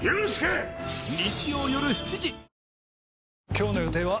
今日の予定は？